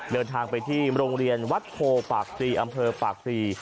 เดินทางไปที่โรงเรียนวัดโพปากพรีอำเภอปากพรี